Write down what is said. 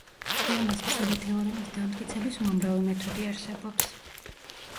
ფერმას მცირე თეორემის დამტკიცების უამრავი მეთოდი არსებობს.